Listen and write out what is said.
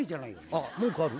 ああ文句ある？